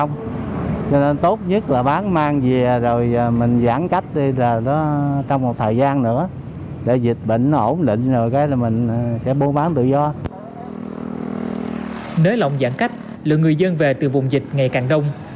nếu lộng giãn cách lượng người dân về từ vùng dịch ngày càng đông